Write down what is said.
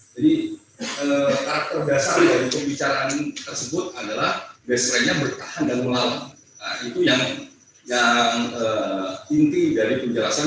jadi kata terdasar dalam pembicaraan tersebut adalah baselinenya bertahan dan melalui nah itu yang inti dari penjelasan